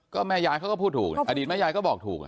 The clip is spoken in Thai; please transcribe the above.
ก็แม่ยายเขาก็พูดถูกอดีตแม่ยายก็บอกถูก